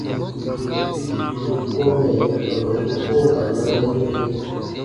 Bù ko mɛ̀ tɔnu u koo ka naanɛ doke.